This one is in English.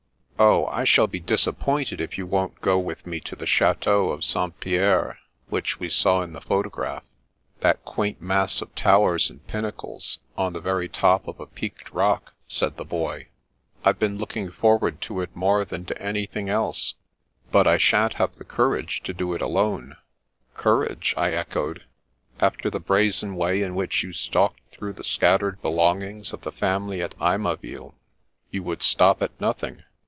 " Oh, I shall be disappointed if you won't go with me to the Chateau of St. Pierre which we saw in the photograph — ^that quaint mass of towers and pinnacles, on the very top of a peaked rock," said the Boy. " Fve been looking forward to it more than to anything else, but I shan't have courage to do it alone." " Courage? " I echoed. " After the brazen way in which you stalked through the scattered belong ings of the family at A)rmaville, you would stop at nothing."